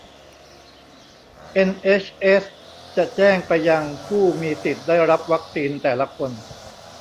เอ็นเฮชเอสจะแจ้งไปยังผู้มีสิทธิ์ได้รับวัคซีนแต่ละคน